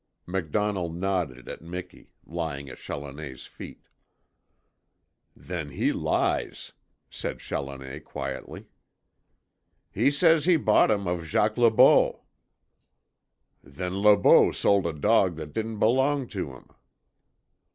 MacDonnell nodded at Miki, lying at Challoner's feet. "Then he lies," said Challoner quietly. "He says he bought him of Jacques Le Beau." "Then Le Beau sold a dog that didn't belong to him."